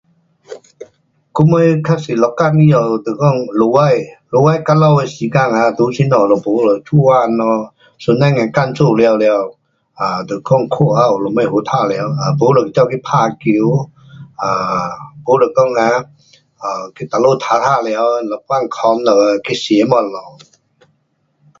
我们较多一天以后就讲，落尾落尾到家的时间啊，在这家，若没就做工咯，船上的工作完了，啊，就看看还有什么好玩耍，没就跑去打球，啊，没就讲啊去，啊，哪里玩玩耍，一班备了，去吃东西。